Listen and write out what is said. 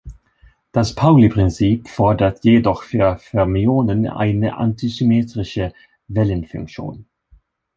Das Pauli-Prinzip fordert jedoch für Fermionen eine anti-symmetrische Wellenfunktion.